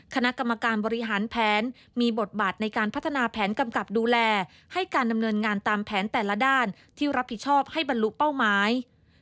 คณะกรรมการบริหารแผนมีบทบาทในการพัฒนาแผนกำกับดูแลให้การดำเนินงานตามแผนแต่ละด้านที่รับผิดชอบให้บรรลุเป้าหมาย